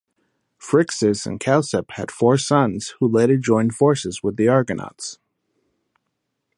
Phrixus and Chalciope had four sons, who later joined forces with the Argonauts.